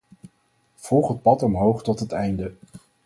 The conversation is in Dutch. Volg het pad omhoog tot het einde.